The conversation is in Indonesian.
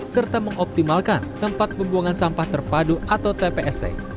serta mengoptimalkan tempat pembuangan sampah terpadu atau tpst